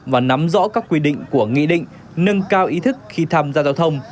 và nắm rõ các quy định của nghị định nâng cao ý thức khi tham gia giao thông